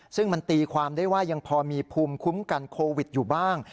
ซึ่งมันตีความได้ว่ายังพอมีภูมิคุ้มกันโควิดอยู่บ้าง